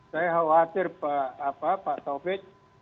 saya khawatir pak taufik